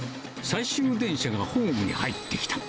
最終電車がホームに入ってきた。